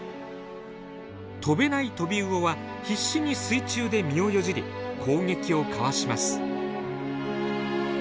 飛べないトビウオは必死に水中で身をよじり攻撃をかわします。